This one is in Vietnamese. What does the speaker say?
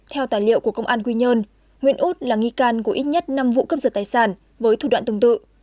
theo tài liệu của công an quy nhơn nguyễn út là nghi can của ít nhất năm vụ cướp giật tài sản với thủ đoạn tương tự